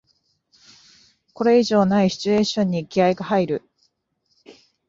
これ以上ないシチュエーションに気合いが入る